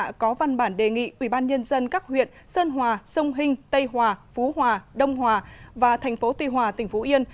đã có văn bản đề nghị ubnd các huyện sơn hòa sông hinh tây hòa phú hòa đông hòa và thành phố tuy hòa tỉnh phú yên